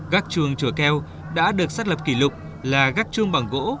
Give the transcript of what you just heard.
gác chuông chùa keo đã được xác lập kỷ lục là gác chuông bằng gỗ cao nhất việt nam